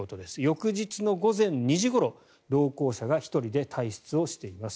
翌日の午前２時ごろ同行者が１人で退室しています。